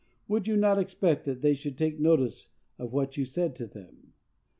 Would you not expect that they should take notice of what you said to them?